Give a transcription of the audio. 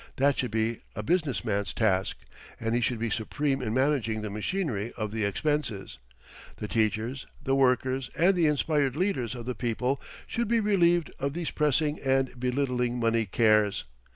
That should be a business man's task, and he should be supreme in managing the machinery of the expenses. The teachers, the workers, and the inspired leaders of the people should be relieved of these pressing and belittling money cares.